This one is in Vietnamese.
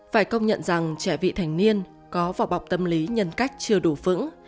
phải công nhận rằng trẻ vị thành niên có vỏ bọc tâm lý nhân cách chưa đủ vững